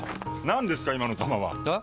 何ですか今の球は！え？